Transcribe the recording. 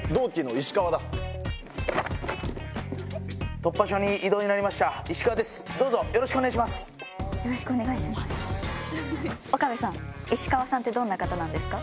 石川さんってどんな方なんですか？